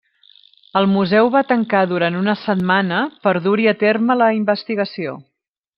El museu va tancar durant una setmana per dur-hi a terme la investigació.